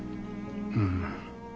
うん。